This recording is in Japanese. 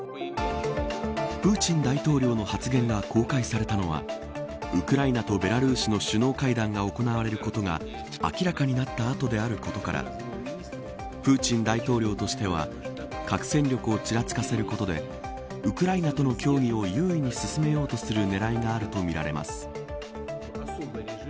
プーチン大統領の発言が公開されたのはウクライナとベラルーシの首脳会談が行われることが明らかになった後であることからプーチン大統領としては核戦力をちらつかせることでウクライナとの協議を優位に進めようとする狙いがあるとみられます。